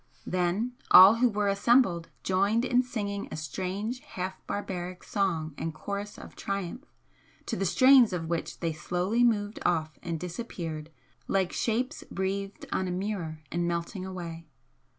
Then all who were assembled joined in singing a strange half barbaric song and chorus of triumph, to the strains of which they slowly moved off and disappeared like shapes breathed on a mirror and melting away.